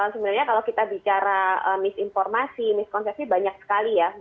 sebenarnya kalau kita bicara misinformasi miskonsepsi banyak sekali ya